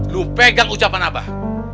lo pegang ucapan abah